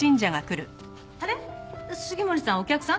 あれ杉森さんお客さん？